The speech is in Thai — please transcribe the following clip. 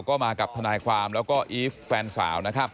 ก็มากับทนาความและก็อีฟแฟนสาว